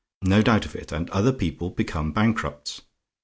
No doubt of it; and other people become bankrupts.